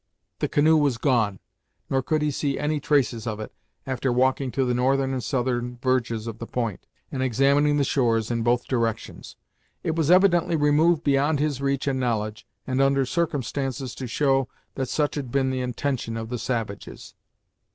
The canoe was gone, nor could he see any traces of it, after walking to the northern and southern verges of the point, and examining the shores in both directions. It was evidently removed beyond his reach and knowledge, and under circumstances to show that such had been the intention of the savages.